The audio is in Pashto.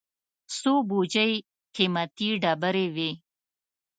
څو بوجۍ قېمتي ډبرې وې.